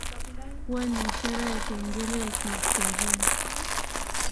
kuwa ni ishara ya kengele ya kihistoria